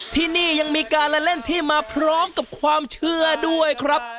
ที่นี่ยังมีการละเล่นที่มาพร้อมกับความเชื่อด้วยครับ